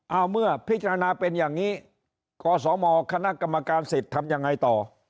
เอาเมื่อพิจารณาเป็นอย่างนี้กศมคณะกรรมการสิทธิ์ทำยังไงต่อ